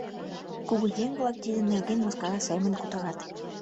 Кугыеҥ-влак тидын нерген мыскара семын кутырат...